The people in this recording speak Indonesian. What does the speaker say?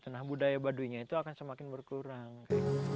nah budaya baduynya itu akan semakin berkurang